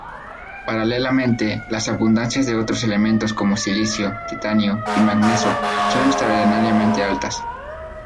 Paralelamente, las abundancias de otros elementos como silicio, titanio y manganeso, son extraordinariamente altas.